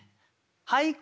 俳句